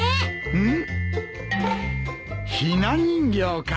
うん？